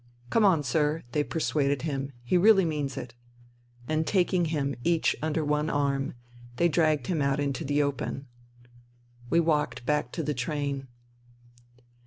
" Come on, sir," they persuaded him, " he really means it." And taking him each under one arm, they dragged him out into the open. We walked back to the train.